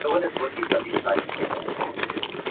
درې ملګري وه یو علم بل عزت وو.